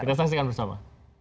kita saksikan bersama